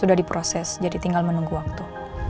sudah diproses jadi tinggal menunggu waktu